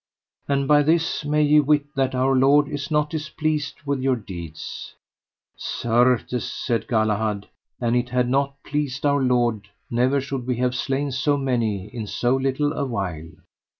And by this may ye wit that Our Lord is not displeased with your deeds. Certes, said Galahad, an it had not pleased Our Lord, never should we have slain so many men in so little a while.